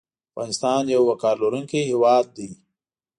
افغانستان یو وقار لرونکی هیواد ده